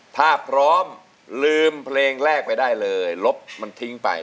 ถ้าพร้อมลืมเพลงแรกไปได้เลยลบมันทิ้งไป